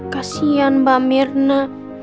kasian mbak mirna